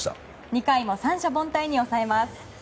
２回も三者凡退に抑えます。